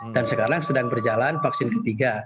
dan sekarang sedang berjalan vaksin ke tiga